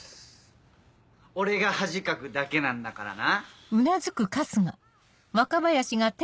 俺が恥かくだけなんだからな。